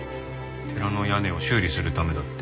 寺の屋根を修理するためだって。